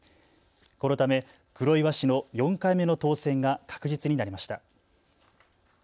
このため黒岩氏の４回目の当選が確実になりました。